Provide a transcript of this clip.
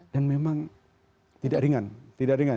dan memang tidak ringan tidak ringan